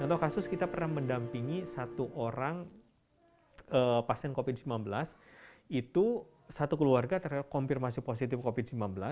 contoh kasus kita pernah mendampingi satu orang pasien covid sembilan belas itu satu keluarga terkonfirmasi positif covid sembilan belas